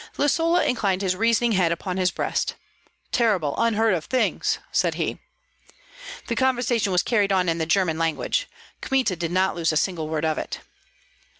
Lisola inclined his reasoning head upon his breast. "Terrible, unheard of things!" said he. The conversation was carried on in the German language. Kmita did not lose a single word of it.